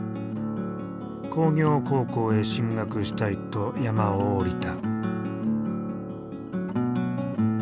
工業高校へ進学したいと山を下りた。